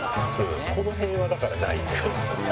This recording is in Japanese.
この辺はだからないんですわ。